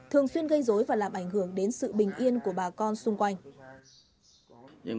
thường xuyên gây dối và làm ảnh hưởng đến sự bình yên của bà con xung quanh